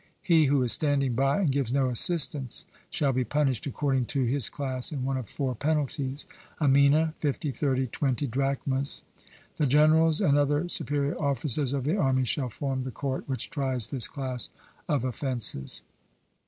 He who is standing by and gives no assistance, shall be punished according to his class in one of four penalties a mina, fifty, thirty, twenty drachmas. The generals and other superior officers of the army shall form the court which tries this class of offences.